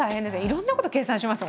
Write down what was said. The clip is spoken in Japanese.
いろんなこと計算します